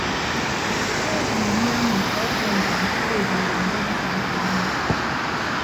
Ke emʌm umiañ nditọ akwa ibom edueehe mbet ufọk utom emi.